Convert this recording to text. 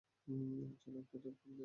চলো একটা টেক নেয়া যাক!